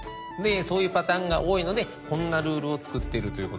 そういうパターンが多いのでこんなルールを作っているということです。